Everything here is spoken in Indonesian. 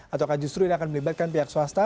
atau justru akan melibatkan pihak swasta